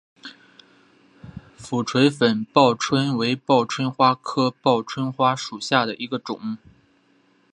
俯垂粉报春为报春花科报春花属下的一个种。